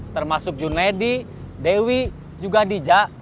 termasuk junedi dewi juga dija